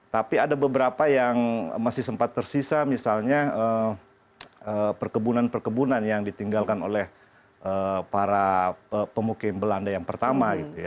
tapi ada beberapa yang masih sempat tersisa misalnya perkebunan perkebunan yang ditinggalkan oleh para pemukim belanda yang pertama gitu ya